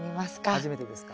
初めてですか？